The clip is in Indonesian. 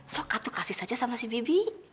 sokak tuh kasih saja sama si bibi